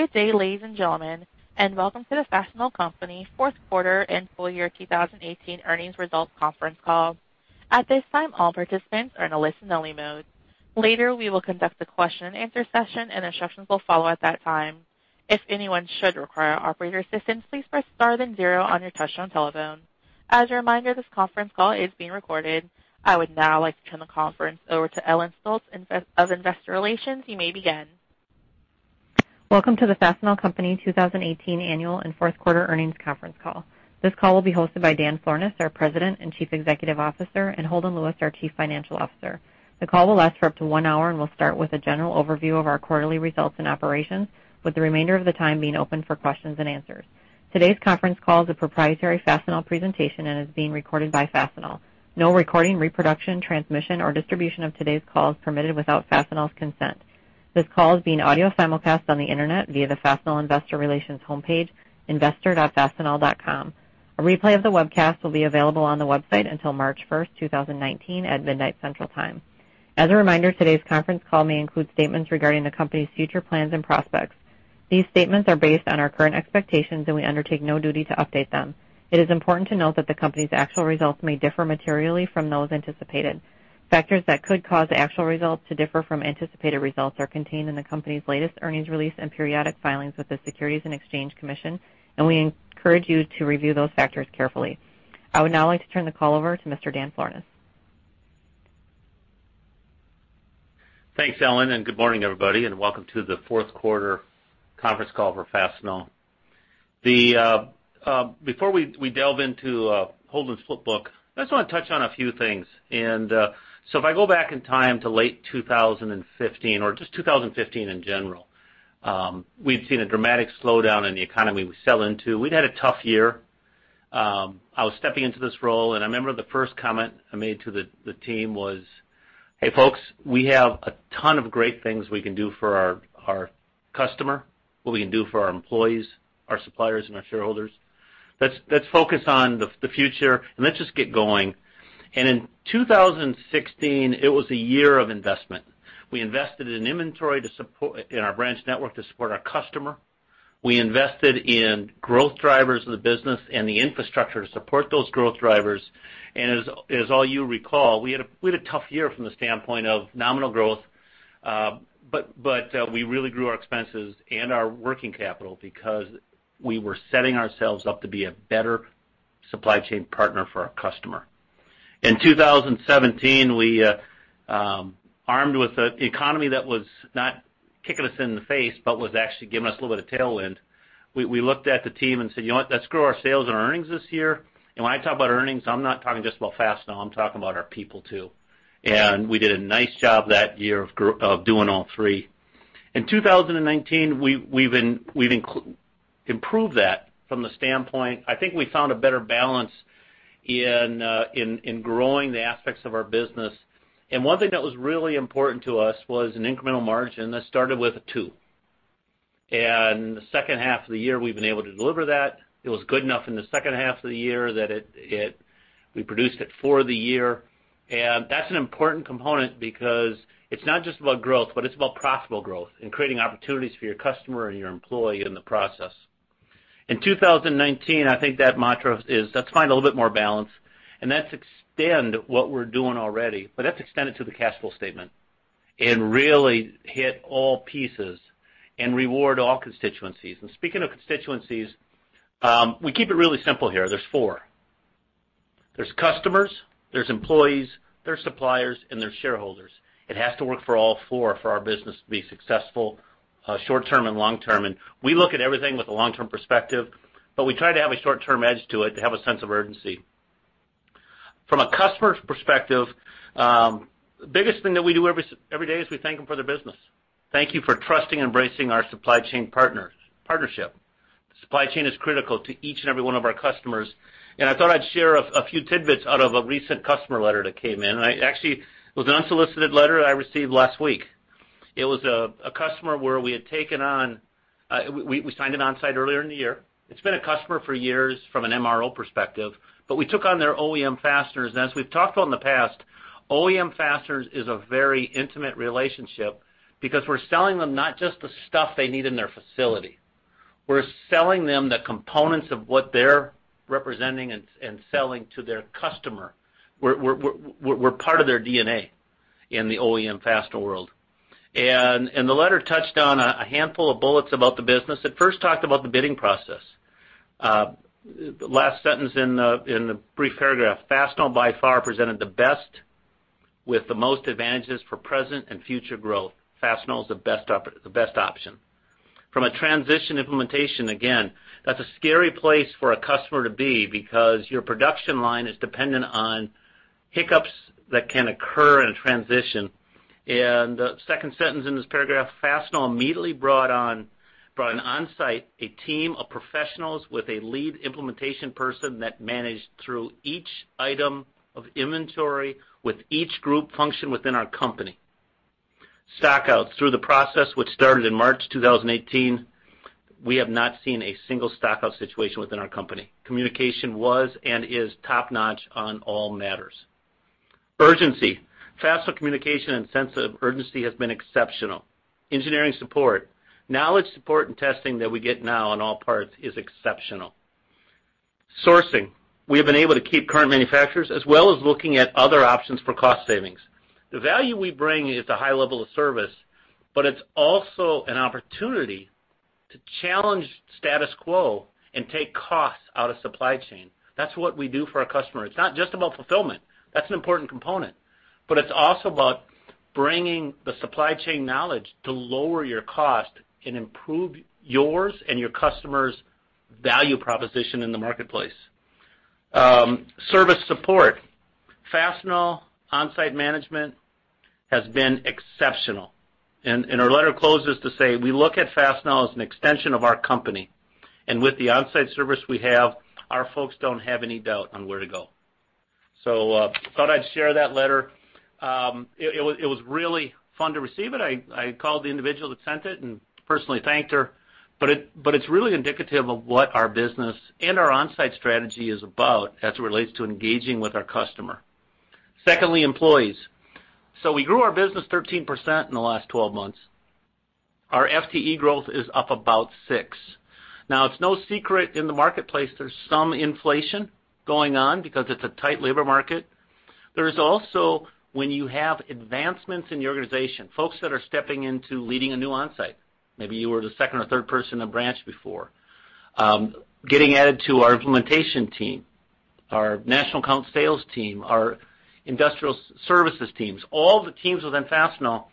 Good day, ladies and gentlemen, and welcome to the Fastenal Company Q4 and full year 2018 earnings results conference call. At this time, all participants are in a listen-only mode. Later, we will conduct a question and answer session, and instructions will follow at that time. If anyone should require operator assistance, please press star then zero on your touch-tone telephone. As a reminder, this conference call is being recorded. I would now like to turn the conference over to Ellen Stolts of Investor Relations. You may begin. Welcome to the Fastenal Company 2018 annual and Q4 earnings conference call. This call will be hosted by Dan Florness, our President and Chief Executive Officer, and Holden Lewis, our Chief Financial Officer. The call will last for up to one hour and will start with a general overview of our quarterly results and operations, with the remainder of the time being open for questions and answers. Today's conference call is a proprietary Fastenal presentation and is being recorded by Fastenal. No recording, reproduction, transmission, or distribution of today's call is permitted without Fastenal's consent. This call is being audio simulcast on the internet via the Fastenal Investor Relations homepage, investor.fastenal.com. A replay of the webcast will be available on the website until March 1st, 2019, at midnight Central Time. As a reminder, today's conference call may include statements regarding the company's future plans and prospects. These statements are based on our current expectations. We undertake no duty to update them. It is important to note that the company's actual results may differ materially from those anticipated. Factors that could cause the actual results to differ from anticipated results are contained in the company's latest earnings release and periodic filings with the Securities and Exchange Commission. We encourage you to review those factors carefully. I would now like to turn the call over to Mr. Dan Florness. Thanks, Ellen Stolts. Good morning, everybody. Welcome to the Q4 conference call for Fastenal. Before we delve into Holden's flip book, I just want to touch on a few things. If I go back in time to late 2015 or just 2015 in general, we'd seen a dramatic slowdown in the economy we sell into. We'd had a tough year. I was stepping into this role. I remember the first comment I made to the team was, "Hey, folks, we have a ton of great things we can do for our customer, what we can do for our employees, our suppliers, and our shareholders. Let's focus on the future. Let's just get going." In 2016, it was a year of investment. We invested in inventory in our branch network to support our customer. We invested in growth drivers of the business and the infrastructure to support those growth drivers. As all you recall, we had a tough year from the standpoint of nominal growth, but we really grew our expenses and our working capital because we were setting ourselves up to be a better supply chain partner for our customer. In 2017, we, armed with the economy that was not kicking us in the face but was actually giving us a little bit of tailwind, we looked at the team and said, "You know what? Let's grow our sales and earnings this year." When I talk about earnings, I'm not talking just about Fastenal, I'm talking about our people, too. We did a nice job that year of doing all three. In 2019, we've improved that from the standpoint I think we found a better balance in growing the aspects of our business. One thing that was really important to us was an incremental margin that started with a two. The H2 of the year, we've been able to deliver that. It was good enough in the H2 of the year that we produced it for the year. That's an important component because it's not just about growth, but it's about profitable growth and creating opportunities for your customer and your employee in the process. In 2019, I think that mantra is, let's find a little bit more balance, and let's extend what we're doing already, but let's extend it to the cash flow statement and really hit all pieces and reward all constituencies. Speaking of constituencies, we keep it really simple here. There's four. There's customers, there's employees, there's suppliers, and there's shareholders. It has to work for all four for our business to be successful, short term and long term. We look at everything with a long-term perspective, but we try to have a short-term edge to it to have a sense of urgency. From a customer's perspective, the biggest thing that we do every day is we thank them for their business. Thank you for trusting and embracing our supply chain partnership. Supply chain is critical to each and every one of our customers, and I thought I'd share a few tidbits out of a recent customer letter that came in. Actually, it was an unsolicited letter that I received last week. It was a customer where we had taken on, signed them Onsite earlier in the year. It's been a customer for years from an MRO perspective, but we took on their OEM Fasteners. As we've talked about in the past, OEM Fasteners is a very intimate relationship because we're selling them not just the stuff they need in their facility. We're selling them the components of what they're representing and selling to their customer. We're part of their DNA in the OEM Fastener world. The letter touched on a handful of bullets about the business. It first talked about the bidding process. Last sentence in the brief paragraph, "Fastenal by far presented the best with the most advantages for present and future growth. Fastenal is the best option." From a transition implementation, again, that's a scary place for a customer to be because your production line is dependent on hiccups that can occur in a transition. The second sentence in this paragraph, "Fastenal immediately brought an Onsite, a team of professionals with a lead implementation person that managed through each item of inventory with each group function within our company. Stockouts through the process, which started in March 2018, we have not seen a single stockout situation within our company. Communication was and is top-notch on all matters." Urgency. Fast communication and sense of urgency has been exceptional. Engineering support. Knowledge support and testing that we get now on all parts is exceptional. Sourcing. We have been able to keep current manufacturers, as well as looking at other options for cost savings. The value we bring is the high level of service, but it's also an opportunity to challenge status quo and take costs out of supply chain. That's what we do for our customers. It's not just about fulfillment. That's an important component, but it's also about bringing the supply chain knowledge to lower your cost and improve yours and your customers' value proposition in the marketplace. Service support. Fastenal Onsite management has been exceptional. Our letter closes to say we look at Fastenal as an extension of our company, and with the Onsite service we have, our folks don't have any doubt on where to go. Thought I'd share that letter. It was really fun to receive it. I called the individual that sent it and personally thanked her, but it's really indicative of what our business and our Onsite strategy is about as it relates to engaging with our customer. Secondly, employees. We grew our business 13% in the last 12 months. Our FTE growth is up about six. It's no secret in the marketplace there's some inflation going on because it's a tight labor market. There's also, when you have advancements in the organization, folks that are stepping into leading a new Onsite, maybe you were the second or third person in a branch before, getting added to our implementation team, our national account sales team, our industrial services teams, all the teams within Fastenal.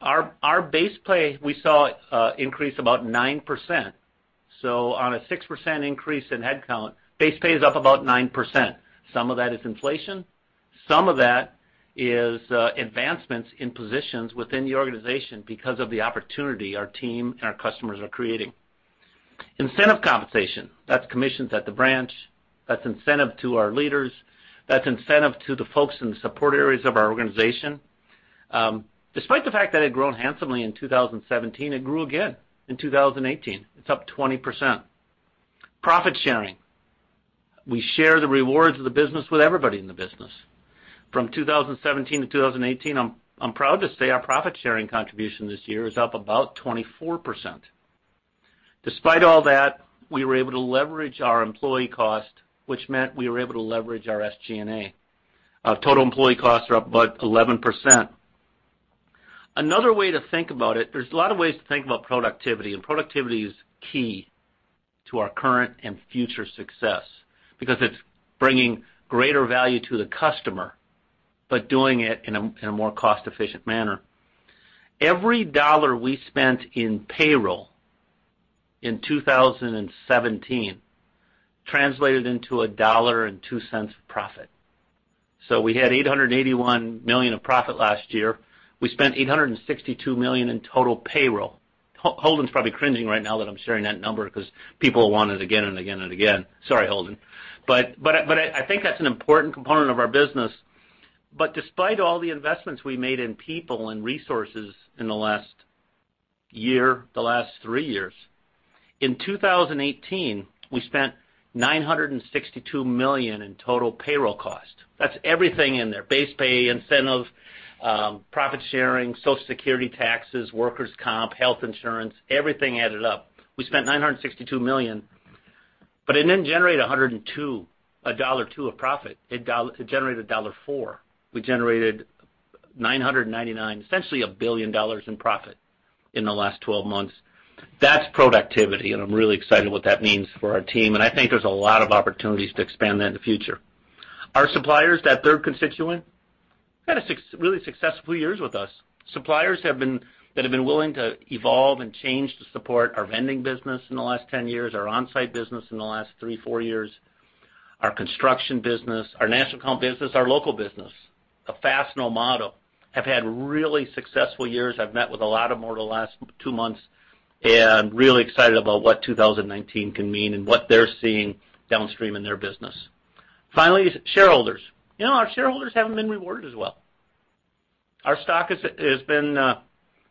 Our base pay, we saw increase about 9%. On a 6% increase in headcount, base pay is up about 9%. Some of that is inflation, some of that is advancements in positions within the organization because of the opportunity our team and our customers are creating. Incentive compensation, that's commissions at the branch, that's incentive to our leaders, that's incentive to the folks in the support areas of our organization. Despite the fact that it had grown handsomely in 2017, it grew again in 2018. It's up 20%. Profit sharing. We share the rewards of the business with everybody in the business. From 2017 to 2018, I'm proud to say our profit-sharing contribution this year is up about 24%. Despite all that, we were able to leverage our employee cost, which meant we were able to leverage our SG&A. Our total employee costs are up about 11%. Another way to think about it, there's a lot of ways to think about productivity, and productivity is key to our current and future success because it's bringing greater value to the customer, but doing it in a more cost-efficient manner. Every dollar we spent in payroll in 2017 translated into $1.02 of profit. We had $881 million of profit last year. We spent $862 million in total payroll. Holden's probably cringing right now that I'm sharing that number because people want it again and again and again. Sorry, Holden. I think that's an important component of our business. Despite all the investments we made in people and resources in the last year, the last three years, in 2018, we spent $962 million in total payroll cost. That's everything in there. Base pay, incentive, profit sharing, Social Security taxes, workers comp, health insurance, everything added up. We spent $962 million, but it didn't generate $1.02 of profit. It generated $1.04. We generated $999, essentially $1 billion in profit in the last 12 months. That's productivity, and I'm really excited what that means for our team. I think there's a lot of opportunities to expand that in the future. Our suppliers, that third constituent, had a really successful few years with us. Suppliers that have been willing to evolve and change to support our Vending business in the last 10 years, our Onsite business in the last three, four years, our construction business, our national account business, our local business, the Fastenal model, have had really successful years. I've met with a lot of them over the last two months, and really excited about what 2019 can mean and what they're seeing downstream in their business. Finally, shareholders. Our shareholders haven't been rewarded as well. Our stock has been a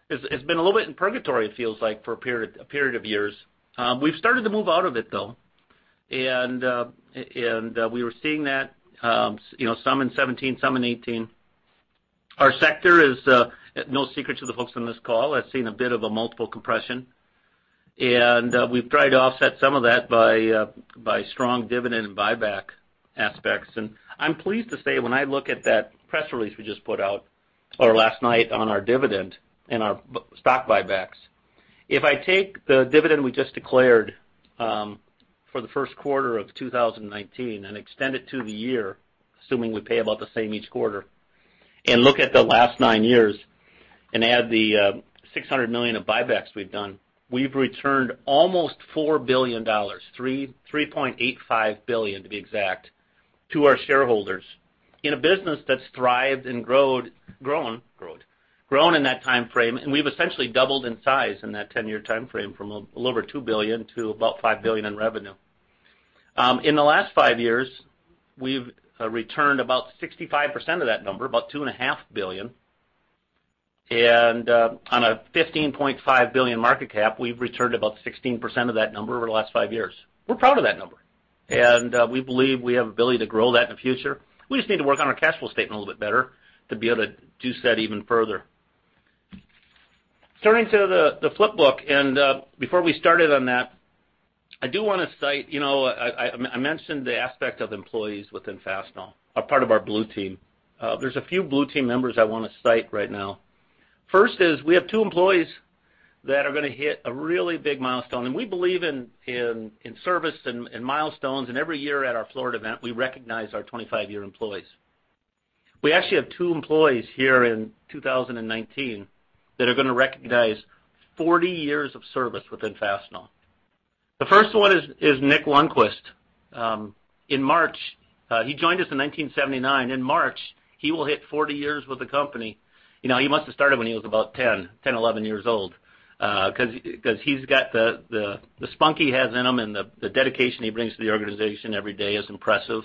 little bit in purgatory, it feels like, for a period of years. We've started to move out of it, though. We were seeing that, some in 2017, some in 2018. Our sector is no secret to the folks on this call. It's seen a bit of a multiple compression, and we've tried to offset some of that by strong dividend and buyback aspects. I'm pleased to say, when I look at that press release we just put out or last night on our dividend and our stock buybacks, if I take the dividend we just declared for the Q1 of 2019 and extend it to the year, assuming we pay about the same each quarter, and look at the last nine years and add the $600 million of buybacks we've done, we've returned almost $4 billion, $3.85 billion to be exact, to our shareholders in a business that's thrived and grown in that timeframe. We've essentially doubled in size in that 10-year timeframe from a little over $2 billion to about $5 billion in revenue. In the last five years, we've returned about 65% of that number, about $2.5 billion. On a $15.5 billion market cap, we've returned about 16% of that number over the last five years. We're proud of that number, and we believe we have ability to grow that in the future. We just need to work on our cash flow statement a little bit better to be able to do so that even further. Turning to the flip book, before we started on that, I do want to cite, I mentioned the aspect of employees within Fastenal, are part of our Blue Team. There's a few Blue Team members I want to cite right now. We have two employees that are going to hit a really big milestone. We believe in service and milestones, and every year at our Florida event, we recognize our 25-year employees. We actually have two employees here in 2019 that are going to recognize 40 years of service within Fastenal. The first one is Nick Lundquist. In March, he joined us in 1979. In March, he will hit 40 years with the company. He must have started when he was about 10, 11 years old, because he's got the spunky he has in him, and the dedication he brings to the organization every day is impressive.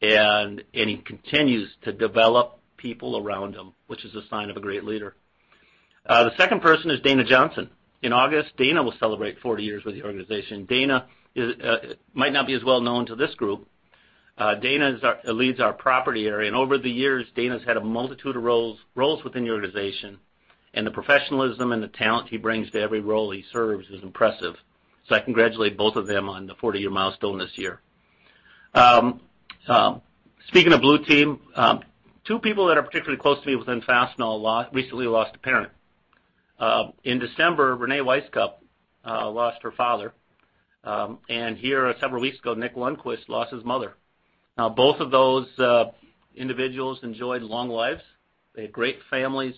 He continues to develop people around him, which is a sign of a great leader. The second person is Dana Johnson. In August, Dana Johnson will celebrate 40 years with the organization. Dana Johnson might not be as well known to this group. Dana Johnson leads our property area, and over the years, Dana's had a multitude of roles within the organization. The professionalism and the talent he brings to every role he serves is impressive. I congratulate both of them on the 40-year milestone this year. Speaking of Blue Team, two people that are particularly close to me within Fastenal recently lost a parent. In December, Reyne Wisecup lost her father. Several weeks ago, Nick Lundquist lost his mother. Both of those individuals enjoyed long lives. They had great families.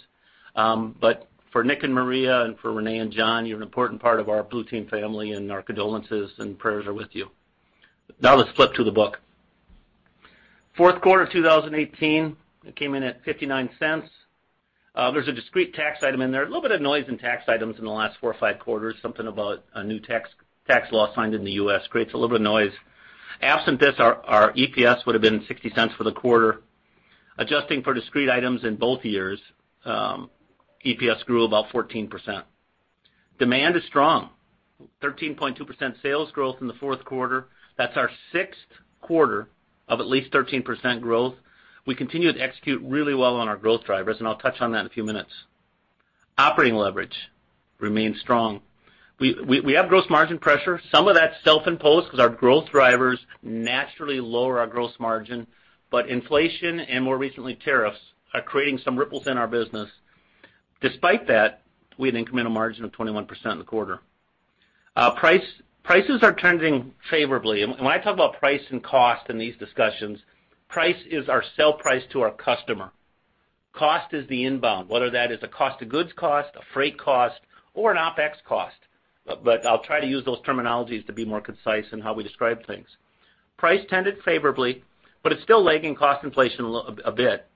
For Nick and Maria, and for Reyne and John, you're an important part of our Blue Team family, and our condolences and prayers are with you. Let's flip to the book.Q4 2018, it came in at $0.59. There's a discrete tax item in there. A little bit of noise in tax items in the last four or five quarters. Something about a new tax law signed in the U.S. creates a little bit of noise. Absent this, our EPS would've been $0.60 for the quarter. Adjusting for discrete items in both years, EPS grew about 14%. Demand is strong. 13.2% sales growth in the Q4. That's our sixth quarter of at least 13% growth. We continue to execute really well on our growth drivers. I'll touch on that in a few minutes. Operating leverage remains strong. We have gross margin pressure. Some of that's self-imposed because our growth drivers naturally lower our gross margin. Inflation and, more recently, tariffs are creating some ripples in our business. Despite that, we had an incremental margin of 21% in the quarter. Prices are trending favorably. When I talk about price and cost in these discussions, price is our sell price to our customer. Cost is the inbound, whether that is a COGS, a freight cost, or an OpEx cost. I'll try to use those terminologies to be more concise in how we describe things. Price tended favorably, it's still lagging cost inflation a bit,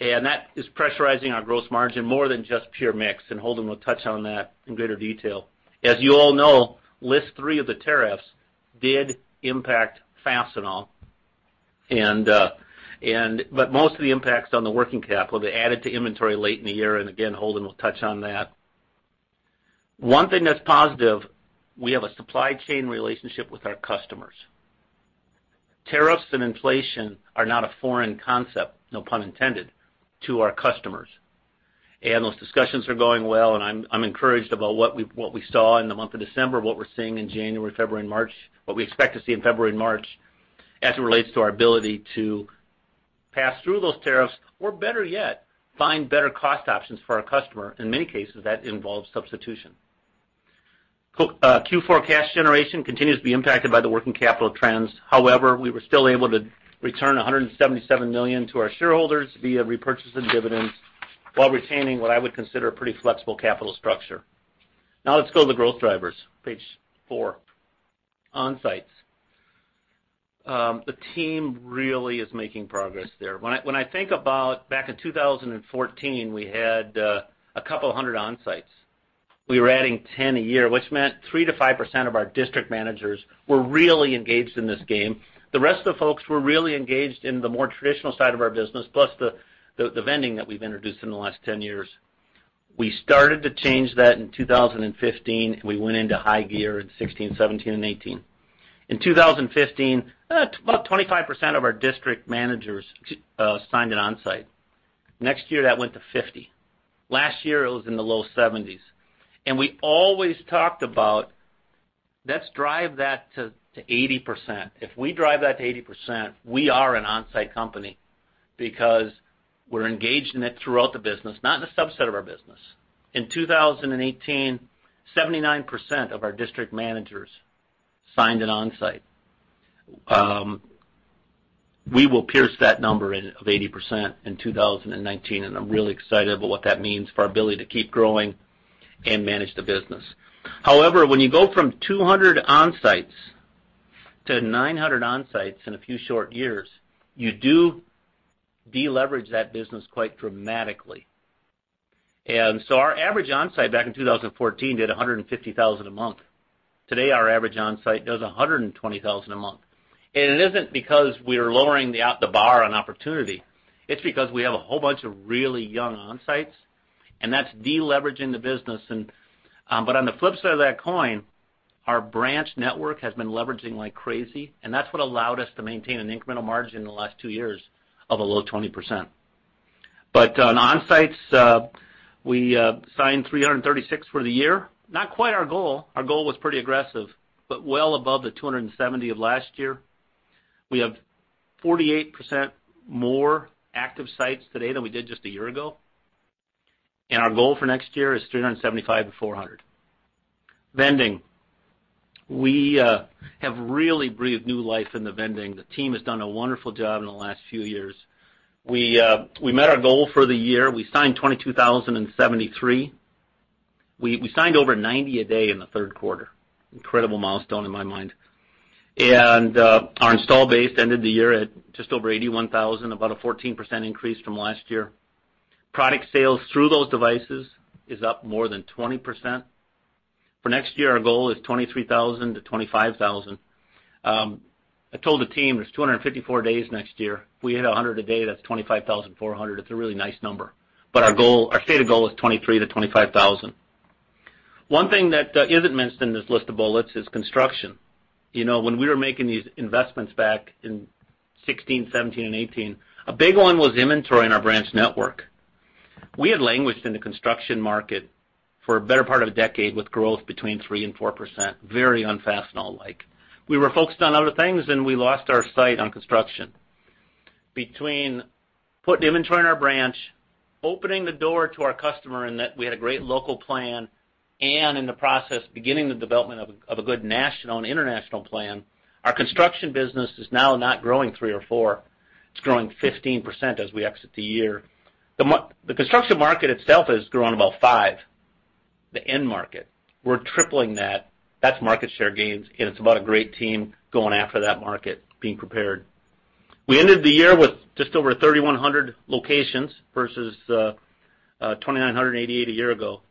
and that is pressurizing our gross margin more than just pure mix. Holden will touch on that in greater detail. As you all know, List three of the tariffs did impact Fastenal, most of the impact's on the working capital. They added to inventory late in the year. Again, Holden will touch on that. One thing that's positive, we have a supply chain relationship with our customers. Tariffs and inflation are not a foreign concept, no pun intended, to our customers. Those discussions are going well, and I'm encouraged about what we saw in the month of December, what we're seeing in January, February, and March, what we expect to see in February and March as it relates to our ability to pass through those tariffs, or better yet, find better cost options for our customer. In many cases, that involves substitution. Q4 cash generation continues to be impacted by the working capital trends. However, we were still able to return $177 million to our shareholders via repurchase and dividends while retaining what I would consider a pretty flexible capital structure. Now let's go to the growth drivers, page 4. Onsites. The team really is making progress there. When I think about back in 2014, we had a couple hundred Onsites. We were adding 10 a year, which meant 3%-5% of our district managers were really engaged in this game. The rest of the folks were really engaged in the more traditional side of our business, plus the Vending that we've introduced in the last 10 years. We started to change that in 2015, and we went into high gear in 2016, 2017, and 2018. In 2015, about 25% of our district managers signed an Onsite. Next year, that went to 50%. Last year, it was in the low 70s. We always talked about, let's drive that to 80%. If we drive that to 80%, we are an Onsite company because we're engaged in it throughout the business, not in a subset of our business. In 2018, 79% of our district managers signed an Onsite. We will pierce that number of 80% in 2019. I'm really excited about what that means for our ability to keep growing and manage the business. However, when you go from 200 Onsites to 900 Onsites in a few short years, you do de-leverage that business quite dramatically. Our average Onsite back in 2014 did $150,000 a month. Today, our average Onsite does $120,000 a month. It isn't because we are lowering the bar on opportunity. It's because we have a whole bunch of really young Onsites, and that's de-leveraging the business. On the flip side of that coin, our branch network has been leveraging like crazy, and that's what allowed us to maintain an incremental margin in the last two years of a low 20%. On Onsites, we signed 336 for the year. Not quite our goal. Our goal was pretty aggressive, well above the 270 of last year. We have 48% more active sites today than we did just a year ago. Our goal for next year is 375-400. Vending. We have really breathed new life into Vending. The team has done a wonderful job in the last few years. We met our goal for the year. We signed 22,073. We signed over 90 a day in Q3. Incredible milestone in my mind. Our install base ended the year at just over 81,000, about a 14% increase from last year. Product sales through those devices is up more than 20%. For next year, our goal is 23,000-25,000. I told the team there's 254 days next year. If we hit 100 a day, that's 25,400. It's a really nice number. Our stated goal is 23,000-25,000. One thing that isn't mentioned in this list of bullets is construction. When we were making these investments back in 2016, 2017, and 2018, a big one was inventory in our branch network. We had languished in the construction market for a better part of a decade, with growth between 3% and 4%, very un-Fastenal like. We were focused on other things, and we lost our sight on construction. Between putting inventory in our branch, opening the door to our customer in that we had a great local plan, and in the process, beginning the development of a good national and international plan, our construction business is now not growing 3% or 4%. It's growing 15% as we exit the year. The construction market itself has grown about 5%, the end market. We're tripling that. That's market share gains, and it's about a great team going after that market, being prepared. We ended the year with just over 3,100 locations versus 2,988 a year ago,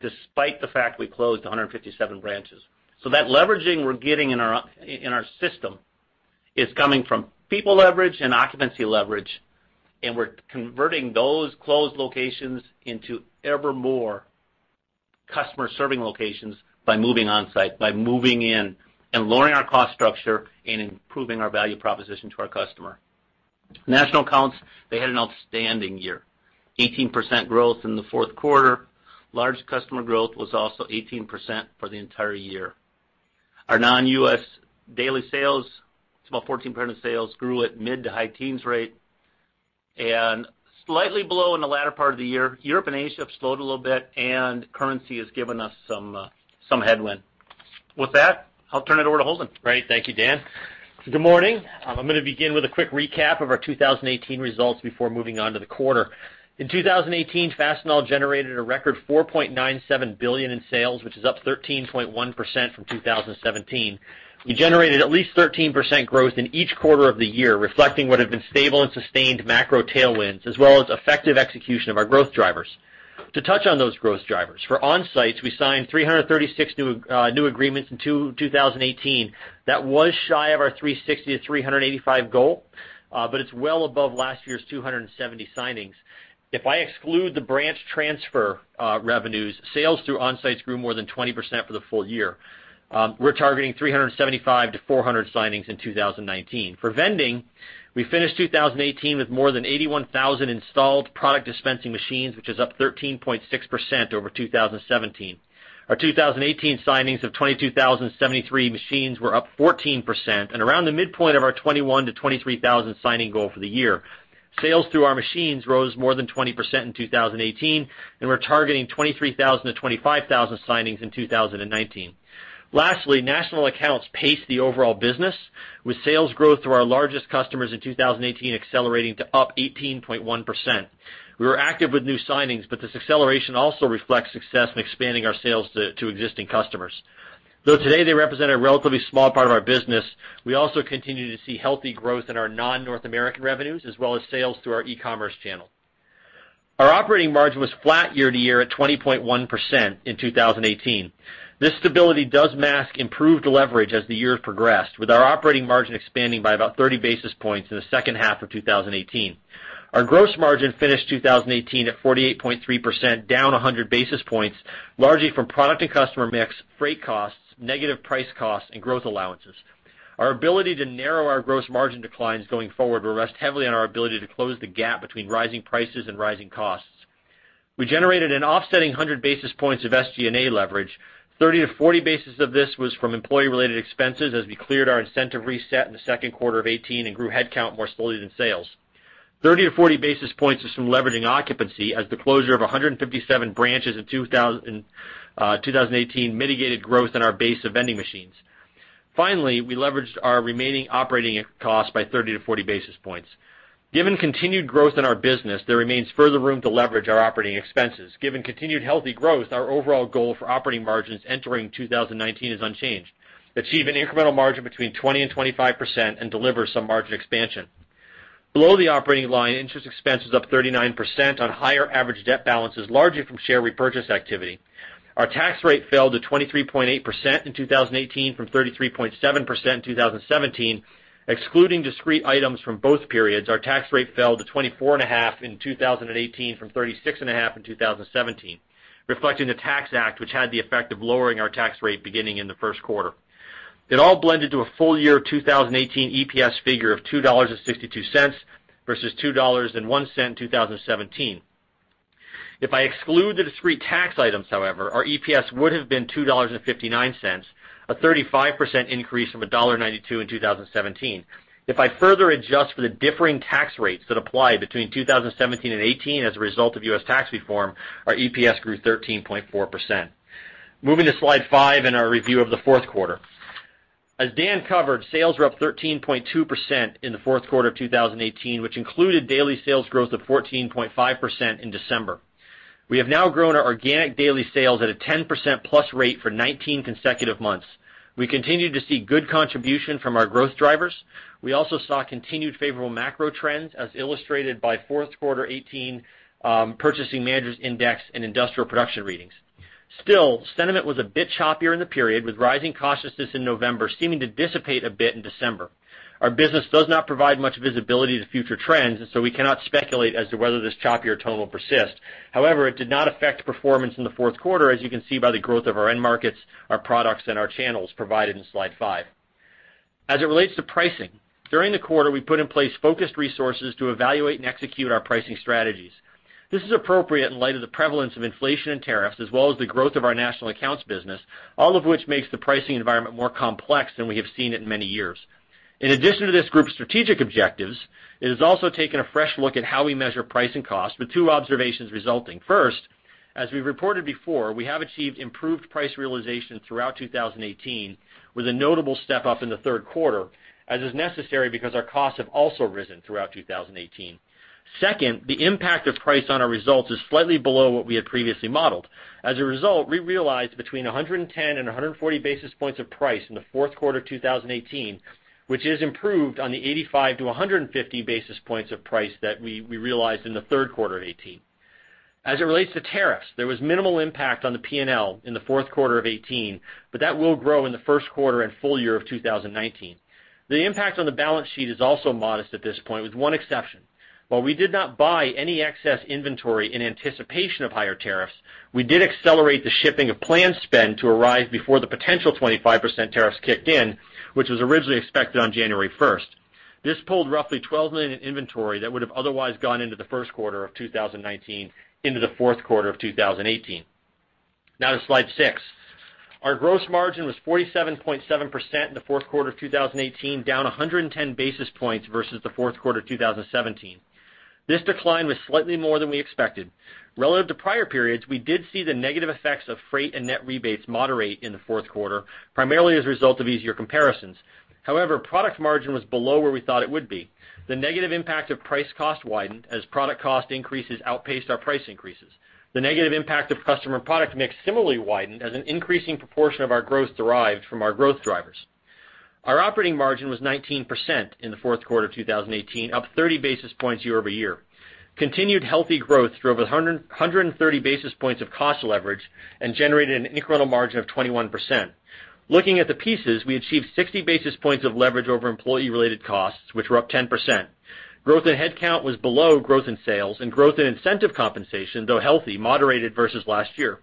despite the fact we closed 157 branches. That leveraging we're getting in our system is coming from people leverage and occupancy leverage, and we're converting those closed locations into ever more customer-serving locations by moving Onsite, by moving in, and lowering our cost structure and improving our value proposition to our customer. National accounts, they had an outstanding year, 18% growth in the Q4. Large customer growth was also 18% for the entire year. Our non-U.S. daily sales, it's about 14% of sales, grew at mid to high teens rate and slightly below in the latter part of the year. Europe and Asia have slowed a little bit, currency has given us some headwind. With that, I'll turn it over to Holden. Great. Thank you, Dan Florness. Good morning. I'm going to begin with a quick recap of our 2018 results before moving on to the quarter. In 2018, Fastenal generated a record $4.97 billion in sales, which is up 13.1% from 2017. We generated at least 13% growth in each quarter of the year, reflecting what had been stable and sustained macro tailwinds, as well as effective execution of our growth drivers. To touch on those growth drivers, for Onsites, we signed 336 new agreements in 2018. That was shy of our 360-385 goal, but it's well above last year's 270 signings. If I exclude the branch transfer revenues, sales through Onsites grew more than 20% for the full year. We're targeting 375-400 signings in 2019. For Vending, we finished 2018 with more than 81,000 installed product dispensing machines, which is up 13.6% over 2017. Our 2018 signings of 22,073 machines were up 14% and around the midpoint of our 21,000 to 23,000 signing goal for the year. Sales through our machines rose more than 20% in 2018, and we're targeting 23,000 to 25,000 signings in 2019. Lastly, national accounts paced the overall business, with sales growth through our largest customers in 2018 accelerating to up 18.1%. We were active with new signings, but this acceleration also reflects success in expanding our sales to existing customers. Though today they represent a relatively small part of our business, we also continue to see healthy growth in our non-North American revenues, as well as sales through our e-commerce channel. Our operating margin was flat year-over-year at 20.1% in 2018. This stability does mask improved leverage as the year progressed, with our operating margin expanding by about 30 basis points in the H2 of 2018. Our gross margin finished 2018 at 48.3%, down 100 basis points, largely from product and customer mix, freight costs, negative price costs, and growth allowances. Our ability to narrow our gross margin declines going forward will rest heavily on our ability to close the gap between rising prices and rising costs. We generated an offsetting 100 basis points of SG&A leverage. 30-40 basis points of this was from employee-related expenses as we cleared our incentive reset in Q2 of 2018 and grew headcount more slowly than sales. 30-40 basis points is from leveraging occupancy as the closure of 157 branches in 2018 mitigated growth in our base of vending machines. Finally, we leveraged our remaining operating costs by 30-40 basis points. Given continued growth in our business, there remains further room to leverage our operating expenses. Given continued healthy growth, our overall goal for operating margins entering 2019 is unchanged. Achieve an incremental margin between 20% and 25% and deliver some margin expansion. Below the operating line, interest expense is up 39% on higher average debt balances, largely from share repurchase activity. Our tax rate fell to 23.8% in 2018 from 33.7% in 2017. Excluding discrete items from both periods, our tax rate fell to 24.5% in 2018 from 36.5% in 2017, reflecting the Tax Act, which had the effect of lowering our tax rate beginning in Q1. It all blended to a full year 2018 EPS figure of $2.62 versus $2.01 in 2017. If I exclude the discrete tax items, however, our EPS would have been $2.59, a 35% increase from $1.92 in 2017. If I further adjust for the differing tax rates that applied between 2017 and 2018 as a result of U.S. tax reform, our EPS grew 13.4%. Moving to slide 5 and our review of Q4. Daniel covered, sales were up 13.2% in Q4 of 2018, which included daily sales growth of 14.5% in December. We have now grown our organic daily sales at a 10%+ rate for 19 consecutive months. We continue to see good contribution from our growth drivers. We also saw continued favorable macro trends as illustrated by Q4 2018 Purchasing Managers' Index and industrial production readings. Still, sentiment was a bit choppier in the period, with rising cautiousness in November seeming to dissipate a bit in December. Our business does not provide much visibility to future trends, and so we cannot speculate as to whether this choppier tone will persist. However, it did not affect performance in Q4, as you can see by the growth of our end markets, our products, and our channels provided in slide 5. As it relates to pricing, during the quarter, we put in place focused resources to evaluate and execute our pricing strategies. This is appropriate in light of the prevalence of inflation and tariffs, as well as the growth of our national accounts business, all of which makes the pricing environment more complex than we have seen it in many years. In addition to this group's strategic objectives, it has also taken a fresh look at how we measure price and cost, with two observations resulting. First, as we've reported before, we have achieved improved price realization throughout 2018, with a notable step-up in Q3, as is necessary because our costs have also risen throughout 2018. Second, the impact of price on our results is slightly below what we had previously modeled. As a result, we realized between 110 and 140 basis points of price in the Q4 2018, which is improved on the 85 to 150 basis points of price that we realized in the Q3 of 2018. As it relates to tariffs, there was minimal impact on the P&L in the Q4 of 2018, but that will grow in the Q1 and full year of 2019. The impact on the balance sheet is also modest at this point, with one exception. While we did not buy any excess inventory in anticipation of higher tariffs, we did accelerate the shipping of planned spend to arrive before the potential 25% tariffs kicked in, which was originally expected on January 1st. This pulled roughly $12 million in inventory that would have otherwise gone into Q1 of 2019 into Q4 of 2018. Now to slide 6. Our gross margin was 47.7% in the Q4 of 2018, down 110 basis points versus the Q4 2017. This decline was slightly more than we expected. Relative to prior periods, we did see the negative effects of freight and net rebates moderate in Q4, primarily as a result of easier comparisons. Product margin was below where we thought it would be. The negative impact of price cost widened as product cost increases outpaced our price increases. The negative impact of customer product mix similarly widened as an increasing proportion of our growth derived from our growth drivers. Our operating margin was 19% in Q4 2018, up 30 basis points year-over-year. Continued healthy growth drove 130 basis points of cost leverage and generated an incremental margin of 21%. Looking at the pieces, we achieved 60 basis points of leverage over employee-related costs, which were up 10%. Growth in headcount was below growth in sales, and growth in incentive compensation, though healthy, moderated versus last year.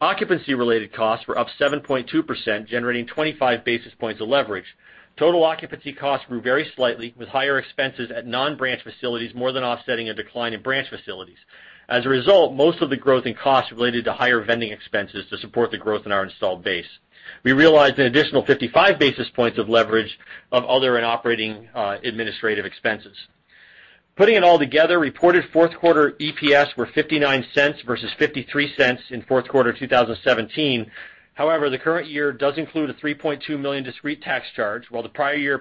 Occupancy-related costs were up 7.2%, generating 25 basis points of leverage. Total occupancy costs grew very slightly, with higher expenses at non-branch facilities more than offsetting a decline in branch facilities. Most of the growth in costs related to higher vending expenses to support the growth in our installed base. We realized an additional 55 basis points of leverage of other and operating administrative expenses. Reported Q4 EPS were $0.59 versus $0.53 in Q4 2017. The current year does include a $3.2 million discrete tax charge, while the prior year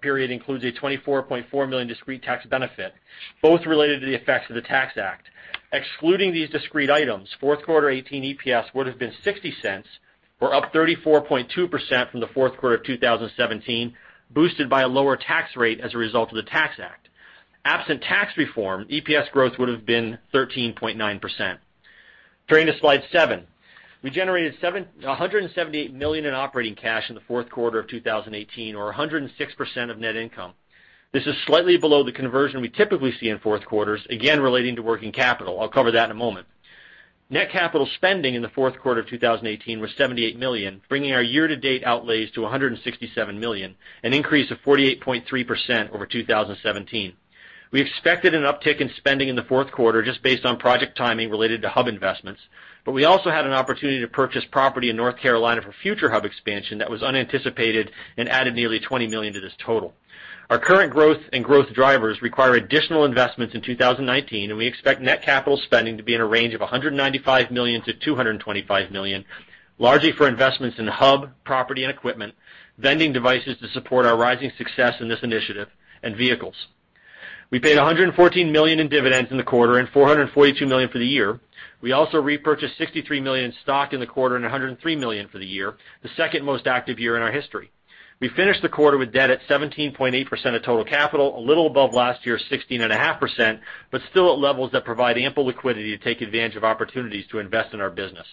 period includes a $24.4 million discrete tax benefit, both related to the effects of the Tax Act. Excluding these discrete items, Q4 2018 EPS would have been $0.60 or up 34.2% from the Q4 of 2017, boosted by a lower tax rate as a result of the Tax Act. Absent tax reform, EPS growth would have been 13.9%. Turning to slide 7. We generated $178 million in operating cash in Q4 of 2018, or 106% of net income. This is slightly below the conversion we typically see in Q4s, again relating to working capital. I'll cover that in a moment. Net capital spending in the Q4 of 2018 was $78 million, bringing our year-to-date outlays to $167 million, an increase of 48.3% over 2017. We expected an uptick in spending in Q4 just based on project timing related to hub investments, we also had an opportunity to purchase property in North Carolina for future hub expansion that was unanticipated and added nearly $20 million to this total. Our current growth and growth drivers require additional investments in 2019, we expect net capital spending to be in a range of $195 million-$225 million, largely for investments in hub, property, and equipment, Vending devices to support our rising success in this initiative, and vehicles. We paid $114 million in dividends in the quarter and $442 million for the year. We also repurchased $63 million in stock in the quarter and $103 million for the year, the second most active year in our history. We finished the quarter with debt at 17.8% of total capital, a little above last year's 16.5%, still at levels that provide ample liquidity to take advantage of opportunities to invest in our business.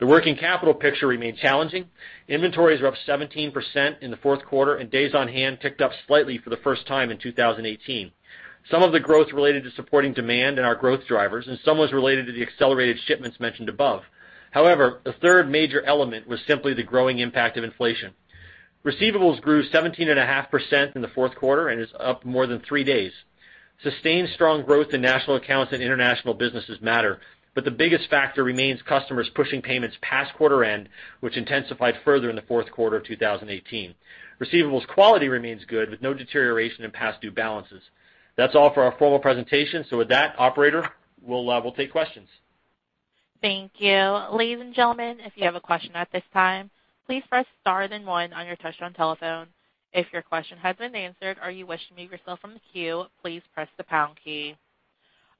The working capital picture remains challenging. Inventories are up 17% in the Q4, days on hand ticked up slightly for the first time in 2018. Some of the growth related to supporting demand and our growth drivers, some was related to the accelerated shipments mentioned above. A third major element was simply the growing impact of inflation. Receivables grew 17.5% in Q4 and is up more than three days. Sustained strong growth in national accounts and international businesses matter, the biggest factor remains customers pushing payments past quarter end, which intensified further in Q4 of 2018. Receivables quality remains good, with no deterioration in past due balances. That's all for our formal presentation. With that, operator, we'll take questions. Thank you. Ladies and gentlemen, if you have a question at this time, please press star then one on your touch-tone telephone. If your question has been answered or you wish to remove yourself from the queue, please press the pound key.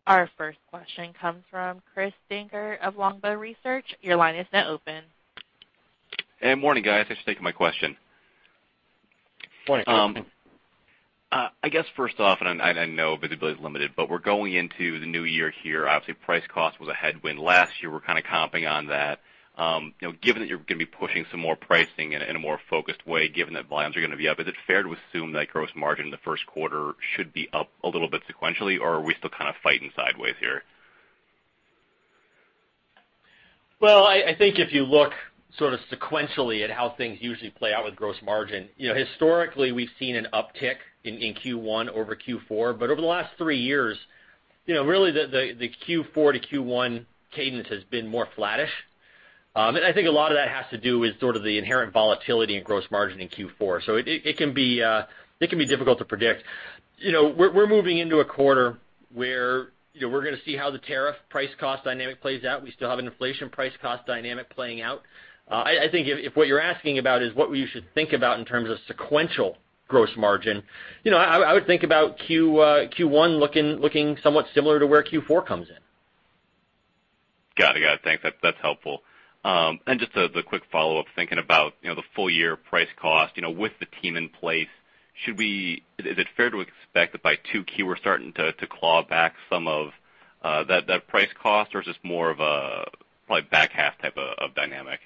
Our first question comes from Chris Dankert of Longbow Research. Your line is now open. Hey, morning guys. Thanks for taking my question. Morning. I guess first off, and I know visibility is limited, but we're going into the new year here. Obviously, price cost was a headwind last year. We're kind of comping on that. Given that you're going to be pushing some more pricing in a more focused way, given that volumes are going to be up, is it fair to assume that gross margin in Q1 should be up a little bit sequentially? Or are we still kind of fighting sideways here? Well, I think if you look sort of sequentially at how things usually play out with gross margin, historically we've seen an uptick in Q1 over Q4. Over the last three years, really the Q4 to Q1 cadence has been more flattish. I think a lot of that has to do with sort of the inherent volatility in gross margin in Q4. It can be difficult to predict. We're moving into a quarter where we're going to see how the tariff price cost dynamic plays out. We still have an inflation price cost dynamic playing out. I think if what you're asking about is what we should think about in terms of sequential gross margin, I would think about Q1 looking somewhat similar to where Q4 comes in. Got it. Thanks. That's helpful. Just as a quick follow-up, thinking about the full year price cost, with the team in place, is it fair to expect that by Q2 we're starting to claw back some of that price cost, or is this more of a H2 type of dynamic?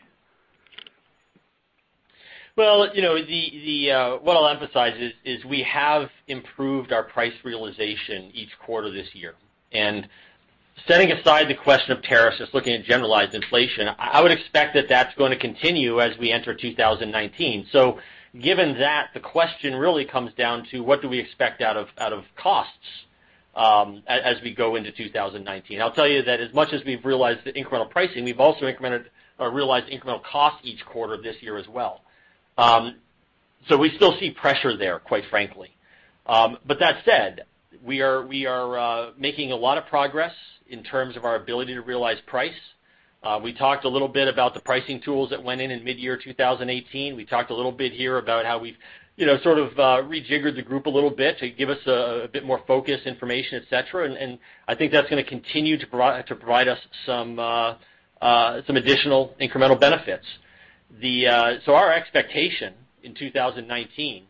Well, what I'll emphasize is we have improved our price realization each quarter this year. Setting aside the question of tariffs, just looking at generalized inflation, I would expect that that's going to continue as we enter 2019. Given that, the question really comes down to what do we expect out of costs as we go into 2019. I'll tell you that as much as we've realized the incremental pricing, we've also realized incremental cost each quarter this year as well. We still see pressure there, quite frankly. That said, we are making a lot of progress in terms of our ability to realize price. We talked a little bit about the pricing tools that went in in mid-year 2018. We talked a little bit here about how we've sort of rejiggered the group a little bit to give us a bit more focus, information, et cetera. I think that's going to continue to provide us some additional incremental benefits. Our expectation in 2019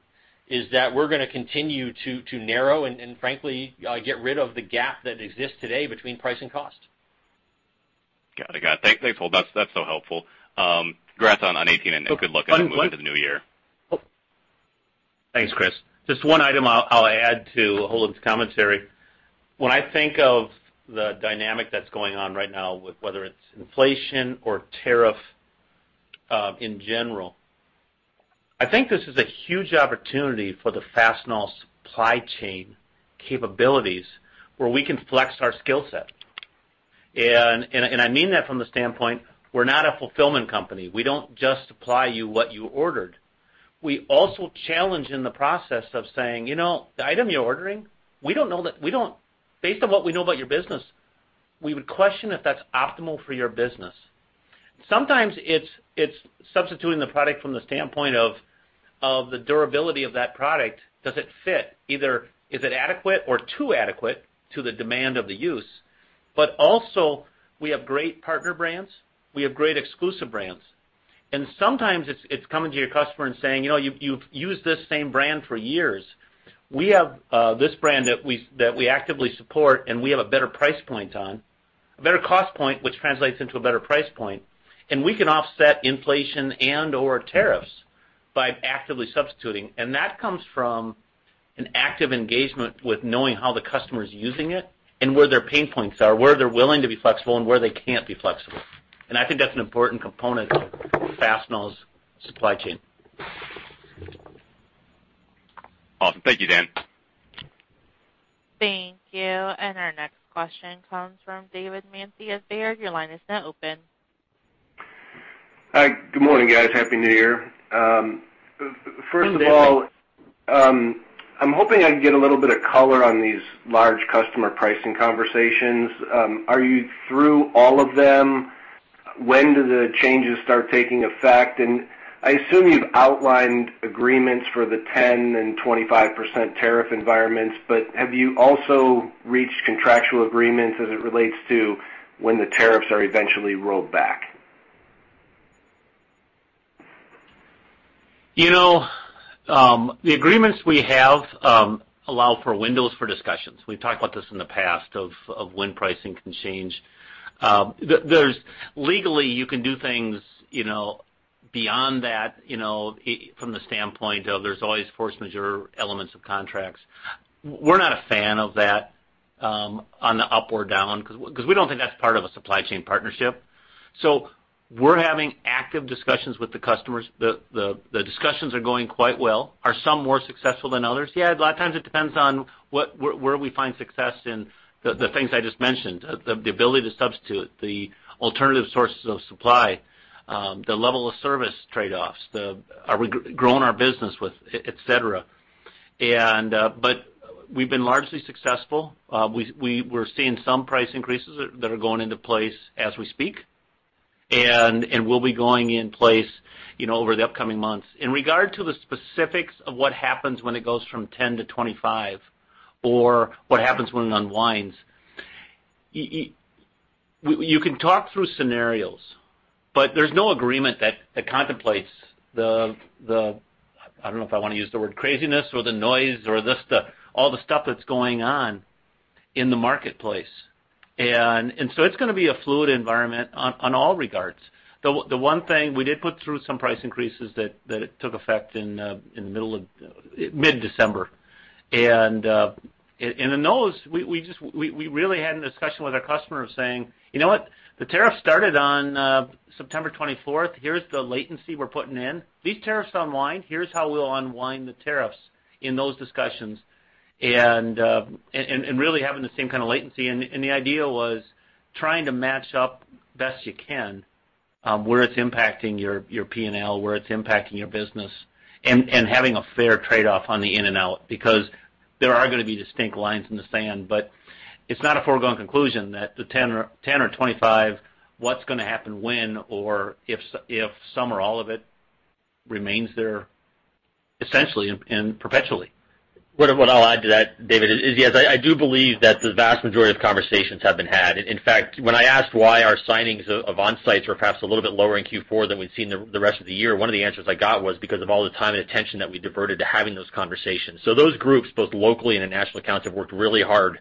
is that we're going to continue to narrow and frankly, get rid of the gap that exists today between price and cost. Got it. Thanks, Holden. That's so helpful. Congrats on 2018 and good luck moving to the new year. Thanks, Chris. Just one item I'll add to Holden's commentary. When I think of the dynamic that's going on right now, whether it's inflation or tariff in general, I think this is a huge opportunity for the Fastenal supply chain capabilities, where we can flex our skill set. I mean that from the standpoint, we're not a fulfillment company. We don't just supply you what you ordered. We also challenge in the process of saying, "The item you're ordering, based on what we know about your business, we would question if that's optimal for your business." Sometimes it's substituting the product from the standpoint of the durability of that product. Does it fit? Either is it adequate or too adequate to the demand of the use? Also, we have great partner brands. We have great exclusive brands. Sometimes it's coming to your customer and saying, "You've used this same brand for years." We have this brand that we actively support, and we have a better price point on, a better cost point, which translates into a better price point, and we can offset inflation and/or tariffs by actively substituting. That comes from an active engagement with knowing how the customer is using it and where their pain points are, where they're willing to be flexible and where they can't be flexible. I think that's an important component of Fastenal's supply chain. Awesome. Thank you, Daniel. Thank you. Our next question comes from David Manthey of Baird. Your line is now open. Hi, good morning, guys. Happy New Year. Good morning. First of all, I'm hoping I can get a little bit of color on these large customer pricing conversations. Are you through all of them? When do the changes start taking effect? I assume you've outlined agreements for the 10% and 25% tariff environments, but have you also reached contractual agreements as it relates to when the tariffs are eventually rolled back? The agreements we have allow for windows for discussions. We've talked about this in the past, of when pricing can change. Legally, you can do things beyond that from the standpoint of there's always force majeure elements of contracts. We're not a fan of that on the up or down, because we don't think that's part of a supply chain partnership. We're having active discussions with the customers. The discussions are going quite well. Are some more successful than others? Yeah. A lot of times it depends on where we find success in the things I just mentioned, the ability to substitute the alternative sources of supply, the level of service trade-offs, are we growing our business with, et cetera. We've been largely successful. We're seeing some price increases that are going into place as we speak, and will be going in place over the upcoming months. In regard to the specifics of what happens when it goes from 10% to 25%, or what happens when it unwinds, you can talk through scenarios, but there's no agreement that contemplates the, I don't know if I want to use the word craziness or the noise or all the stuff that's going on in the marketplace. It's going to be a fluid environment on all regards. The one thing, we did put through some price increases that took effect in mid-December. In those, we really had a discussion with our customers saying, "You know what? The tariff started on September 24th. Here's the latency we're putting in. These tariffs unwind, here's how we'll unwind the tariffs in those discussions." Really having the same kind of latency, and the idea was trying to match up best you can, where it's impacting your P&L, where it's impacting your business, and having a fair trade-off on the in and out, because there are going to be distinct lines in the sand. It's not a foregone conclusion that the 10% or 25%, what's going to happen when or if some or all of it remains there essentially and perpetually. What I'll add to that, David, is yes, I do believe that the vast majority of conversations have been had. In fact, when I asked why our signings of Onsites were perhaps a little bit lower in Q4 than we'd seen the rest of the year, one of the answers I got was because of all the time and attention that we diverted to having those conversations. Those groups, both locally and in national accounts, have worked really hard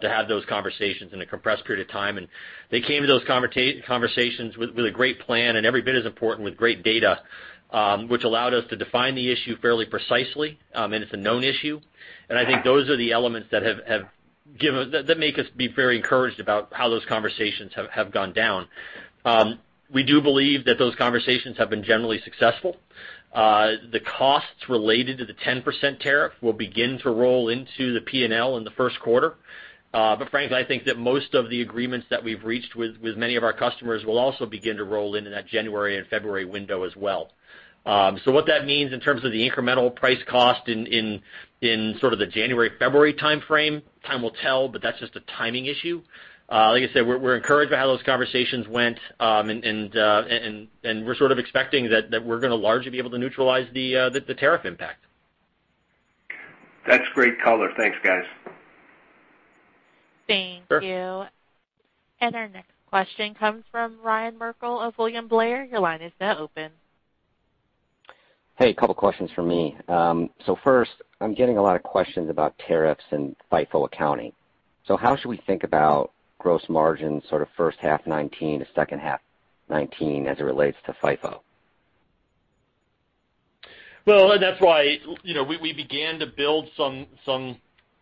to have those conversations in a compressed period of time, and they came to those conversations with a great plan and every bit as important with great data, which allowed us to define the issue fairly precisely. It's a known issue. I think those are the elements that make us be very encouraged about how those conversations have gone down. We do believe that those conversations have been generally successful. The costs related to the 10% tariff will begin to roll into the P&L in Q1. Frankly, I think that most of the agreements that we've reached with many of our customers will also begin to roll into that January and February window as well. What that means in terms of the incremental price cost in sort of the January-February timeframe, time will tell, but that's just a timing issue. Like I said, we're encouraged by how those conversations went, and we're sort of expecting that we're going to largely be able to neutralize the tariff impact. That's great color. Thanks, guys. Thank you. Sure. Our next question comes from Ryan Merkel of William Blair. Your line is now open. Hey, a couple of questions from me. First, I'm getting a lot of questions about tariffs and FIFO accounting. How should we think about gross margin sort of H1 2019 to H2 2019 as it relates to FIFO? That's why we began to build some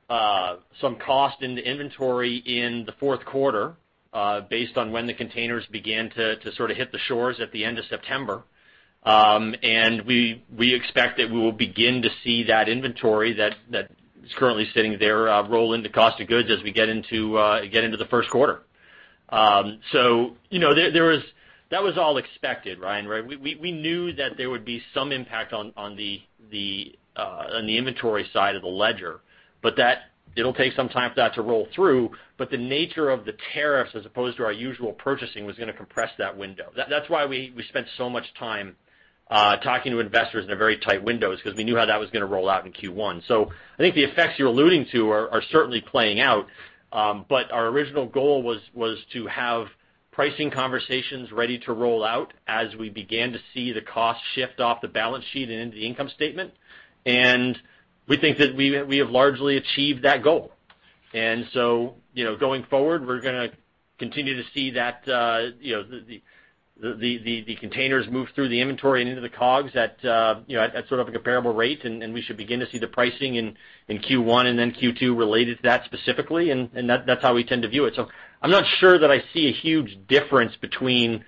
cost in the inventory in the Q4, based on when the containers began to sort of hit the shores at the end of September. We expect that we will begin to see that inventory that is currently sitting there roll into cost of goods as we get into the Q1. That was all expected, Ryan, right? We knew that there would be some impact on the inventory side of the ledger, but it'll take some time for that to roll through. The nature of the tariffs, as opposed to our usual purchasing, was going to compress that window. That's why we spent so much time talking to investors in a very tight window is because we knew how that was going to roll out in Q1. I think the effects you're alluding to are certainly playing out. Our original goal was to have pricing conversations ready to roll out as we began to see the cost shift off the balance sheet and into the income statement. We think that we have largely achieved that goal. Going forward, we're going to continue to see the containers move through the inventory and into the COGS at sort of a comparable rate, we should begin to see the pricing in Q1 and then Q2 related to that specifically, that's how we tend to view it. I'm not sure that I see a huge difference between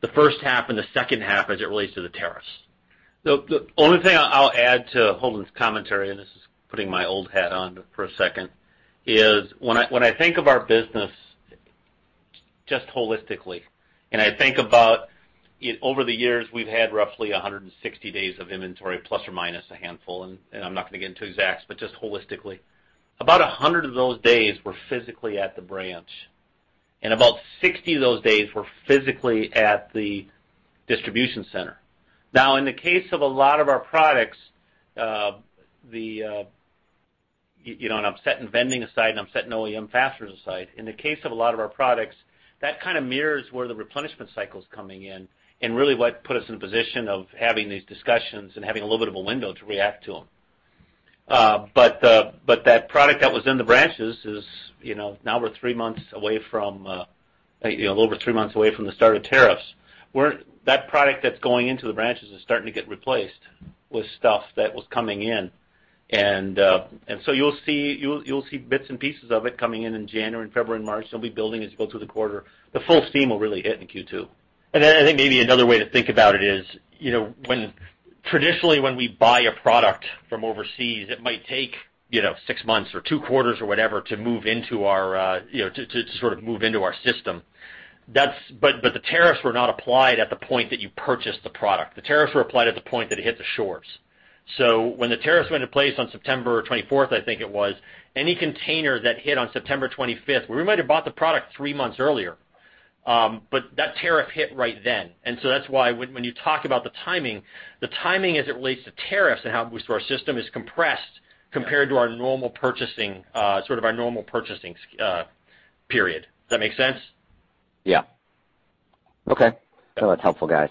the H1 and theH2 as it relates to the tariffs. The only thing I'll add to Holden's commentary, and this is putting my old hat on for a second, is when I think of our business just holistically, and I think about over the years, we've had roughly 160 days of inventory, plus or minus a handful, and I'm not going to get into exacts, but just holistically. About 100 of those days were physically at the branch, and about 60 of those days were physically at the distribution center. Now, in the case of a lot of our products, and I'm setting vending aside and I'm setting OEM Fasteners aside, in the case of a lot of our products, that kind of mirrors where the replenishment cycle's coming in and really what put us in a position of having these discussions and having a little bit of a window to react to them. That product that was in the branches is, now we're over three months away from the start of tariffs. That product that's going into the branches is starting to get replaced with stuff that was coming in. You'll see bits and pieces of it coming in in January and February and March. They'll be building as you go through the quarter. The full steam will really hit in Q2. I think maybe another way to think about it is, traditionally when we buy a product from overseas, it might take six months or two quarters or whatever to sort of move into our system. The tariffs were not applied at the point that you purchased the product. The tariffs were applied at the point that it hit the shores. When the tariffs went into place on September 24th, I think it was, any container that hit on September 25th, we might have bought the product three months earlier, but that tariff hit right then. That's why when you talk about the timing, the timing as it relates to tariffs and how it moves through our system is compressed compared to our normal purchasing period. Does that make sense? Yeah. Okay. That's helpful, guys.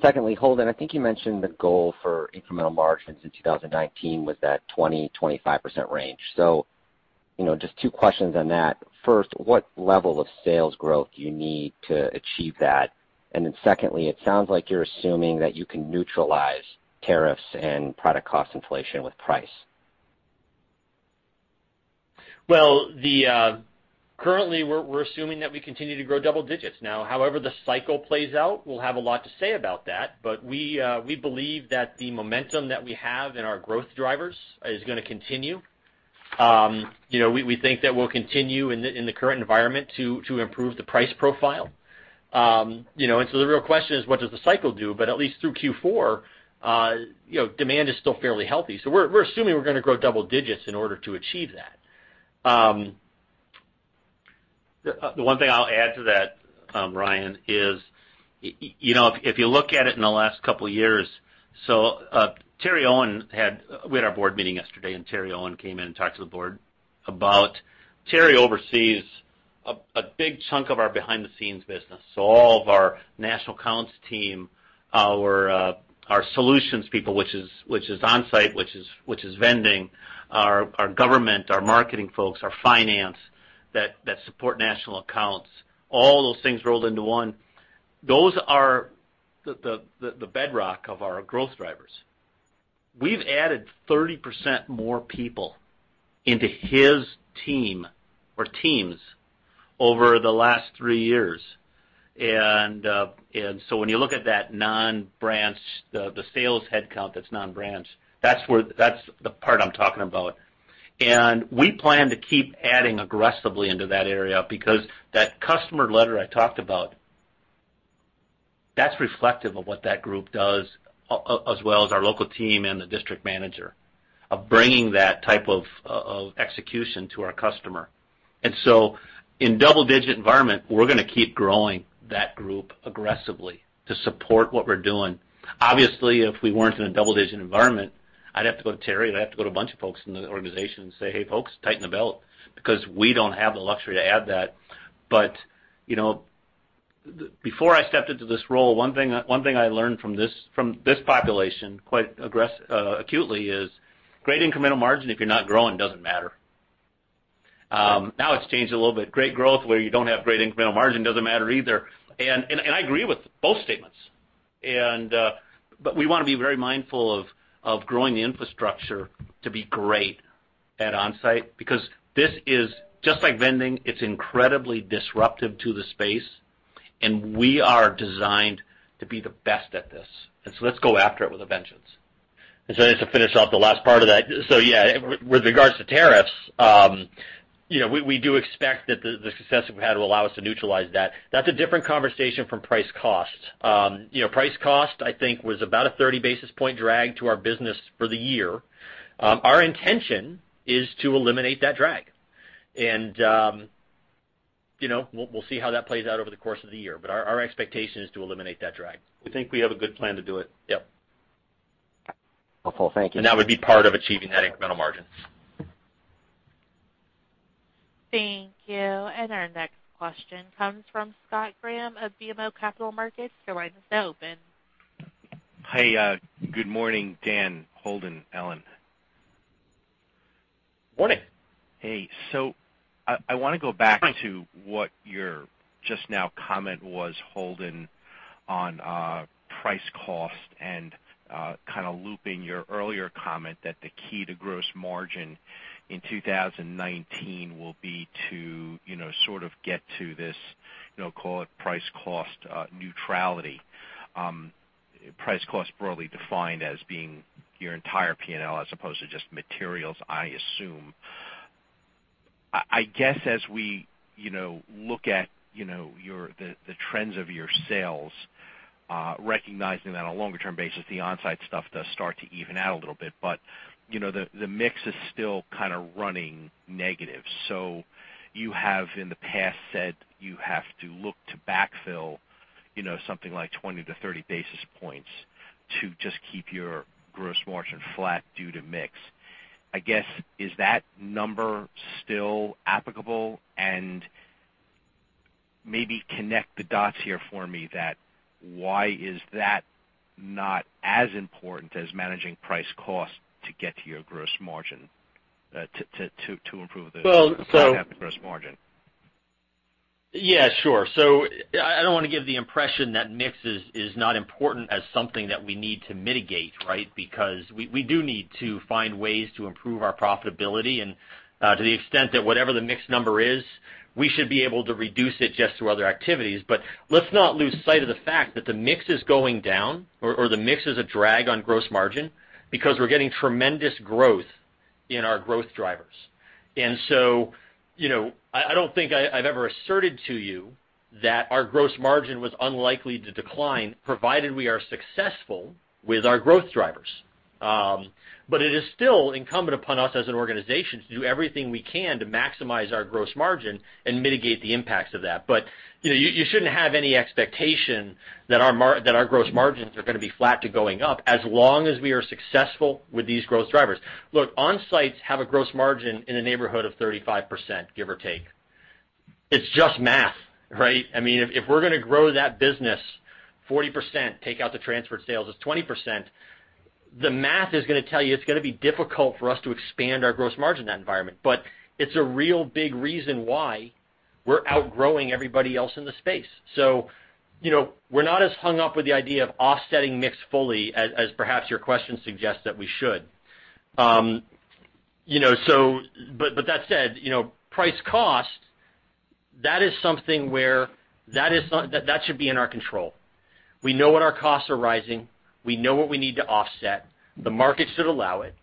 Secondly, Holden, I think you mentioned the goal for incremental margins in 2019 was that 20%-25% range. Just two questions on that. First, what level of sales growth do you need to achieve that? Secondly, it sounds like you're assuming that you can neutralize tariffs and product cost inflation with price. Well, currently we're assuming that we continue to grow double digits. Now, however the cycle plays out, we'll have a lot to say about that. We believe that the momentum that we have in our growth drivers is going to continue. We think that we'll continue in the current environment to improve the price profile. The real question is what does the cycle do? At least through Q4, demand is still fairly healthy. We're assuming we're going to grow double digits in order to achieve that. The one thing I'll add to that, Ryan, is if you look at it in the last couple of years, we had our board meeting yesterday, Terry Owen came in and talked to the board about Terry oversees a big chunk of our behind-the-scenes business. All of our national accounts team, our solutions people, which is Onsite, which is Vending, our government, our marketing folks, our finance that support national accounts, all those things rolled into one. Those are the bedrock of our growth drivers. We've added 30% more people into his team or teams over the last three years. When you look at that non-branch, the sales headcount that's non-branch, that's the part I'm talking about. We plan to keep adding aggressively into that area because that customer letter I talked about, that's reflective of what that group does, as well as our local team and the district manager, of bringing that type of execution to our customer. In double-digit environment, we're going to keep growing that group aggressively to support what we're doing. Obviously, if we weren't in a double-digit environment, I'd have to go to Terry and I'd have to go to a bunch of folks in the organization and say, "Hey folks, tighten the belt," because we don't have the luxury to add that. Before I stepped into this role, one thing I learned from this population quite acutely is great incremental margin, if you're not growing, doesn't matter. Now it's changed a little bit. Great growth where you don't have great incremental margin doesn't matter either. I agree with both statements. We want to be very mindful of growing the infrastructure to be great at Onsite, because this is just like Vending. It's incredibly disruptive to the space, and we are designed to be the best at this. Let's go after it with a vengeance. Just to finish off the last part of that. Yeah, with regards to tariffs, we do expect that the success that we've had will allow us to neutralize that. That's a different conversation from price cost. Price cost, I think, was about a 30 basis point drag to our business for the year. Our intention is to eliminate that drag. We'll see how that plays out over the course of the year, but our expectation is to eliminate that drag. We think we have a good plan to do it. Yeah. Okay. Well, cool. Thank you. That would be part of achieving that incremental margin. Thank you. Our next question comes from Scott Graham of BMO Capital Markets. Your line is now open. Hey, good morning, Daniel, Holden, Ellen Stolts. Morning. I want to go back to what your just now comment was, Holden, on price cost and kind of looping your earlier comment that the key to gross margin in 2019 will be to sort of get to this call it price cost neutrality. Price cost broadly defined as being your entire P&L as opposed to just materials, I assume. I guess as we look at the trends of your sales, recognizing that on a longer-term basis, the Onsite stuff does start to even out a little bit, but the mix is still kind of running negative. You have in the past said you have to look to backfill something like 20-30 basis points to just keep your gross margin flat due to mix. I guess, is that number still applicable? Maybe connect the dots here for me that why is that not as important as managing price cost to get to your gross margin, to improve the- Well- -gross margin? -I don't want to give the impression that mix is not important as something that we need to mitigate, right? We do need to find ways to improve our profitability, and to the extent that whatever the mix number is, we should be able to reduce it just through other activities. Let's not lose sight of the fact that the mix is going down or the mix is a drag on gross margin because we're getting tremendous growth in our growth drivers. I don't think I've ever asserted to you that our gross margin was unlikely to decline, provided we are successful with our growth drivers. It is still incumbent upon us as an organization to do everything we can to maximize our gross margin and mitigate the impacts of that. You shouldn't have any expectation that our gross margins are going to be flat to going up as long as we are successful with these growth drivers. Look, Onsites have a gross margin in the neighborhood of 35%, give or take. It's just math, right? If we're going to grow that business 40%, take out the transferred sales, it's 20%. The math is going to tell you it's going to be difficult for us to expand our gross margin in that environment. It's a real big reason why we're outgrowing everybody else in the space. We're not as hung up with the idea of offsetting mix fully as perhaps your question suggests that we should. That said, price cost, that should be in our control. We know when our costs are rising, we know what we need to offset, the market should allow it.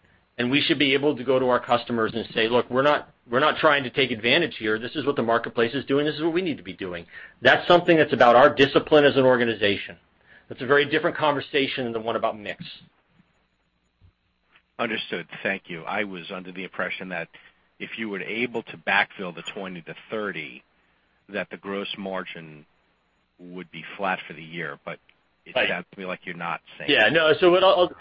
We should be able to go to our customers and say, "Look, we're not trying to take advantage here. This is what the marketplace is doing. This is what we need to be doing." That's something that's about our discipline as an organization. That's a very different conversation than the one about mix. Understood. Thank you. I was under the impression that if you were able to backfill the 20-30 basis points, that the gross margin would be flat for the year. It sounds to me like you're not saying that.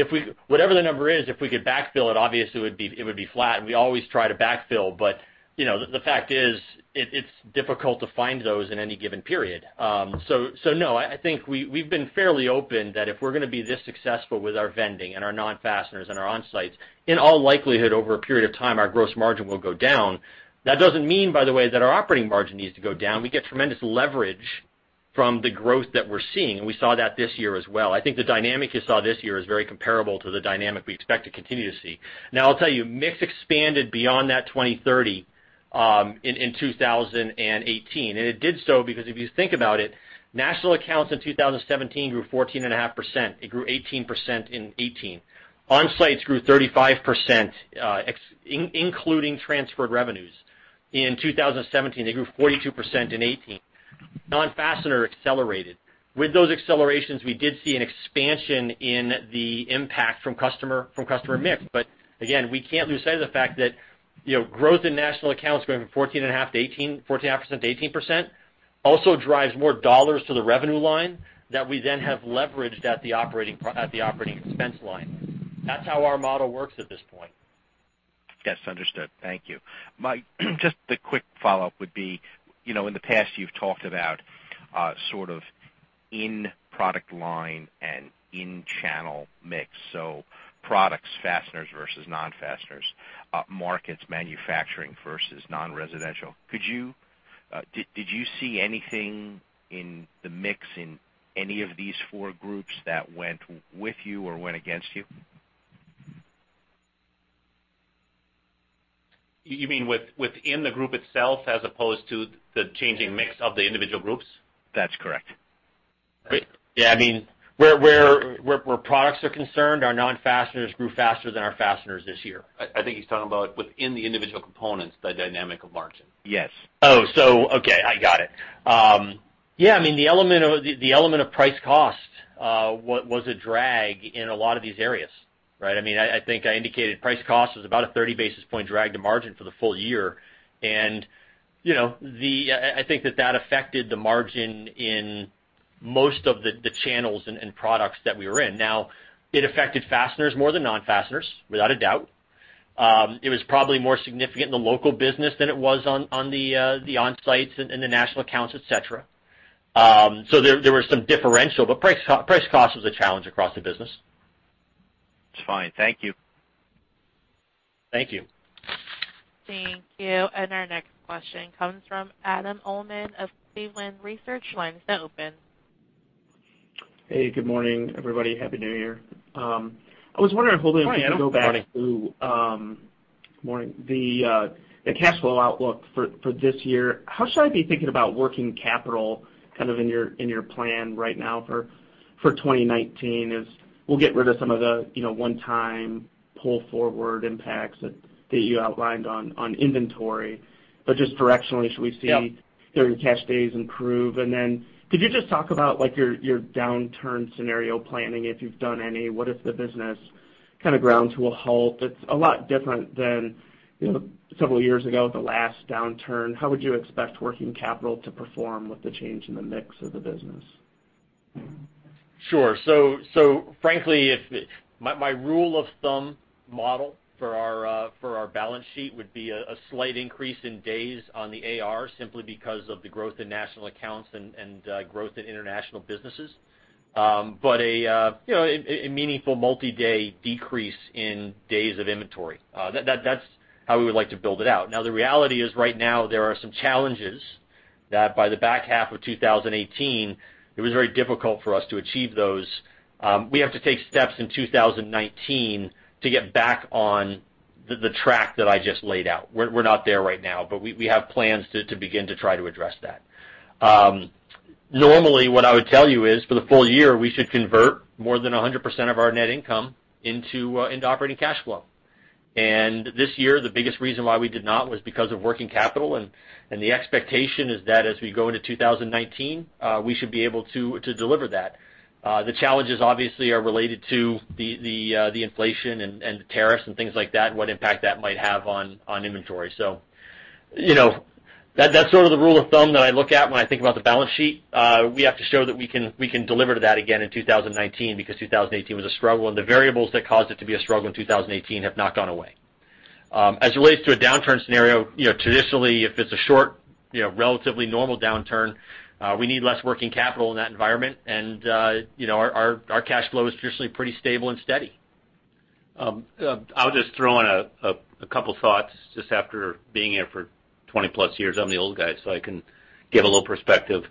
Yeah, whatever the number is, if we could backfill it, obviously it would be flat, and we always try to backfill, but the fact is, it's difficult to find those in any given period. No, I think we've been fairly open that if we're going to be this successful with our Vending and our non-fastener and our Onsites, in all likelihood, over a period of time, our gross margin will go down. That doesn't mean, by the way, that our operating margin needs to go down. We get tremendous leverage from the growth that we're seeing, and we saw that this year as well. I think the dynamic you saw this year is very comparable to the dynamic we expect to continue to see. Now, I'll tell you, mix expanded beyond that 2030, in 2018 It did so because if you think about it, national accounts in 2017 grew 14.5%. It grew 18% in 2018. Onsites grew 35%, including transferred revenues in 2017. They grew 42% in 2018. non-fastener accelerated. With those accelerations, we did see an expansion in the impact from customer mix. Again, we can't lose sight of the fact that growth in national accounts going from 14.5%-18% also drives more dollars to the revenue line that we then have leveraged at the operating expense line. That's how our model works at this point Yes. Understood. Thank you. Just a quick follow-up would be, in the past, you've talked about sort of in product line and in channel mix, so products, Fasteners versus non-fastener, markets, manufacturing versus non-residential. Did you see anything in the mix in any of these four groups that went with you or went against you? You mean within the group itself as opposed to the changing mix of the individual groups? That's correct. Yeah. Where products are concerned, our non-fastener grew faster than our fasteners this year. I think he's talking about within the individual components, the dynamic of margin. Yes. Oh, okay. I got it. Yeah, the element of price cost was a drag in a lot of these areas, right? I think I indicated price cost was about a 30 basis point drag to margin for the full year. I think that that affected the margin in most of the channels and products that we were in. Now, it affected fasteners more than non-fastener, without a doubt. It was probably more significant in the local business than it was on the Onsites and the national accounts, et cetera. There was some differential, but price cost was a challenge across the business. That's fine. Thank you. Thank you. Thank you. Our next question comes from Adam Uhlman of Cleveland Research. Your line is now open. Hey, good morning, everybody. Happy New Year. I was wondering if, Holden- Morning, Adam. Morning We could go back to the cash flow outlook for this year. How should I be thinking about working capital kind of in your plan right now for 2019 is we'll get rid of some of the one-time pull forward impacts that you outlined on inventory. Just directionally, should we see. Yep During cash days improve? Could you just talk about your downturn scenario planning, if you've done any. What if the business kind of grounds to a halt? It's a lot different than a couple of years ago, the last downturn. How would you expect working capital to perform with the change in the mix of the business? Sure. Frankly, my rule of thumb model for our balance sheet would be a slight increase in days on the AR, simply because of the growth in national accounts and growth in international businesses. A meaningful multi-day decrease in days of inventory. That's how we would like to build it out. The reality is, right now, there are some challenges that by the H2 of 2018, it was very difficult for us to achieve those. We have to take steps in 2019 to get back on the track that I just laid out. We're not there right now, but we have plans to begin to try to address that. Normally, what I would tell you is for the full year, we should convert more than 100% of our net income into operating cash flow. This year, the biggest reason why we did not was because of working capital, and the expectation is that as we go into 2019, we should be able to deliver that. The challenges obviously are related to the inflation and the tariffs and things like that, and what impact that might have on inventory. That's sort of the rule of thumb that I look at when I think about the balance sheet. We have to show that we can deliver to that again in 2019, because 2018 was a struggle. The variables that caused it to be a struggle in 2018 have not gone away. As it relates to a downturn scenario, traditionally, if it's a short, relatively normal downturn, we need less working capital in that environment, and our cash flow is traditionally pretty stable and steady. I'll just throw in a couple thoughts just after being here for 20+ years. I'm the old guy, so I can give a little perspective.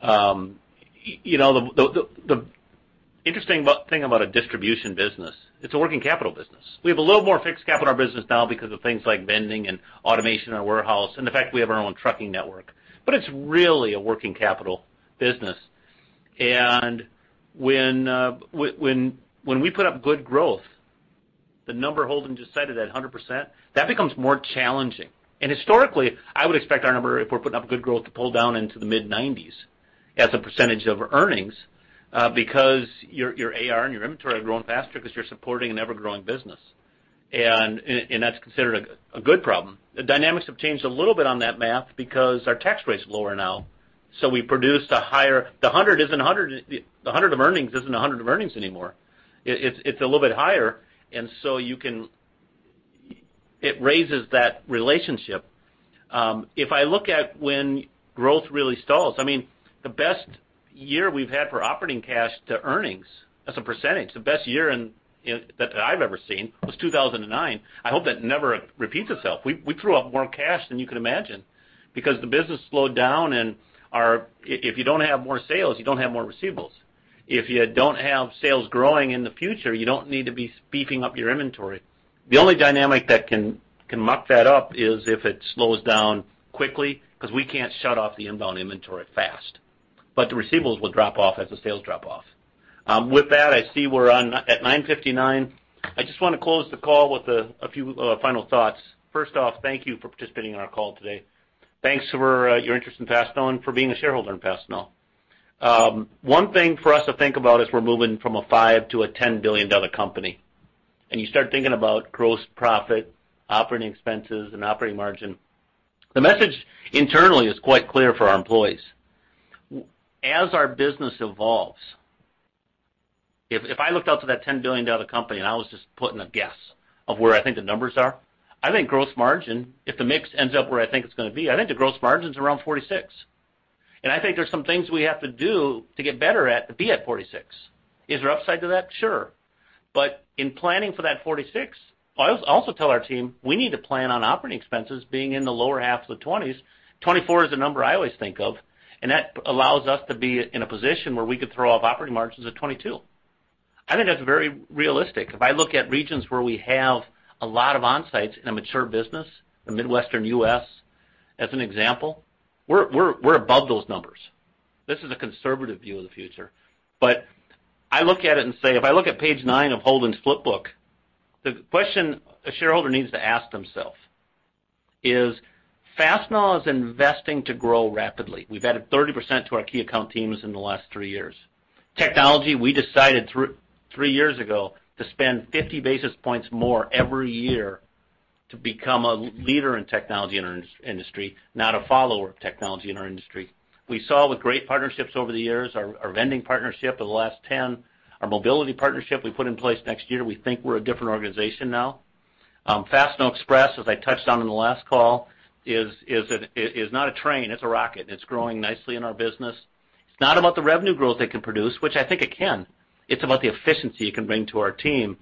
The interesting thing about a distribution business, it's a working capital business. We have a little more fixed capital in our business now because of things like vending and automation in our warehouse, and the fact we have our own trucking network. It's really a working capital business. When we put up good growth, the number Holden just cited at 100%, that becomes more challenging. Historically, I would expect our number, if we're putting up good growth, to pull down into the mid-90s as a percentage of earnings, because your AR and your inventory are growing faster because you're supporting an ever-growing business. That's considered a good problem. The dynamics have changed a little bit on that math because our tax rate's lower now. The 100 of earnings isn't 100 of earnings anymore. It's a little bit higher, and so it raises that relationship. If I look at when growth really stalls, the best year we've had for operating cash to earnings as a percentage, the best year that I've ever seen was 2009. I hope that never repeats itself. We threw up more cash than you could imagine because the business slowed down, and if you don't have more sales, you don't have more receivables. If you don't have sales growing in the future, you don't need to be beefing up your inventory. The only dynamic that can muck that up is if it slows down quickly, because we can't shut off the inbound inventory fast. The receivables will drop off as the sales drop off. With that, I see we're at 9:59 A.M. I just want to close the call with a few final thoughts. First off, thank you for participating in our call today. Thanks for your interest in Fastenal and for being a shareholder in Fastenal. One thing for us to think about is we're moving from a $5 billion to a $10 billion company. You start thinking about gross profit, operating expenses, and operating margin. The message internally is quite clear for our employees. As our business evolves, if I looked out to that $10 billion company and I was just putting a guess of where I think the numbers are, I think gross margin, if the mix ends up where I think it's going to be, I think the gross margin's around 46%. I think there's some things we have to do to get better at to be at 46. Is there upside to that? Sure. In planning for that 46, I also tell our team, we need to plan on operating expenses being in the lower half of the 20s, 24 is the number I always think of, and that allows us to be in a position where we could throw off operating margins at 22. I think that's very realistic. If I look at regions where we have a lot of Onsites in a mature business, the Midwestern U.S., as an example, we're above those numbers. This is a conservative view of the future. I look at it and say, if I look at page nine of Holden's flip book, the question a shareholder needs to ask themselves is, Fastenal is investing to grow rapidly. We've added 30% to our key account teams in the last three years. Technology, we decided three years ago to spend 50 basis points more every year to become a leader in technology in our industry, not a follower of technology in our industry. We saw with great partnerships over the years, our Vending partnership of the last 10, our mobility partnership we put in place next year. We think we're a different organization now. Fastenal Express, as I touched on in the last call, is not a train, it's a rocket, and it's growing nicely in our business. It's not about the revenue growth it can produce, which I think it can. It's about the efficiency it can bring to our team.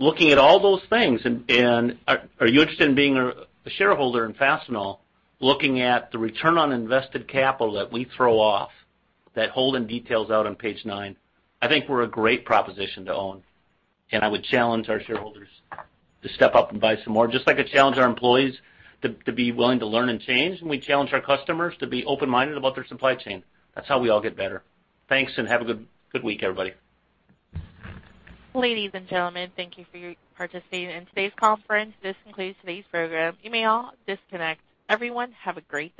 Looking at all those things, and are you interested in being a shareholder in Fastenal? Looking at the return on invested capital that we throw off, that Holden details out on page 9, I think we're a great proposition to own, and I would challenge our shareholders to step up and buy some more. Just like I challenge our employees to be willing to learn and change, and we challenge our customers to be open-minded about their supply chain. That's how we all get better. Thanks, and have a good week, everybody. Ladies and gentlemen, thank you for participating in today's conference. This concludes today's program. You may all disconnect. Everyone, have a great day.